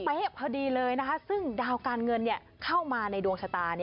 พอดีเลยนะคะซึ่งดาวการเงินเข้ามาในดวงชะตา